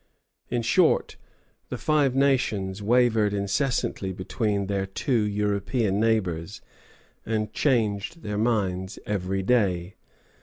In short, the Five Nations wavered incessantly between their two European neighbors, and changed their minds every day.